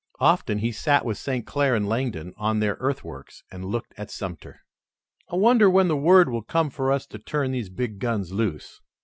Often he sat with St. Clair and Langdon on their earthworks, and looked at Sumter. "I wonder when the word will come for us to turn these big guns loose?"